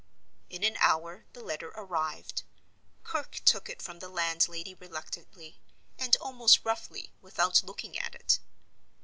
In an hour the letter arrived. Kirke took it from the landlady reluctantly, and almost roughly, without looking at it.